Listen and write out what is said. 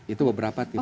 itu beberapa tipe